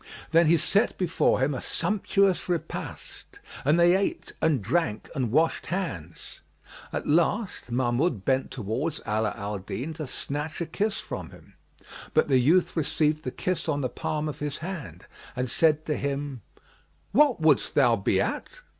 Then he set before him a sumptuous repast and they ate and drank and washed hands. At last Mahmud bent towards Ala al Din to snatch a kiss from him, but the youth received the kiss on the palm of his hand and said to him, "What wouldest thou be at?"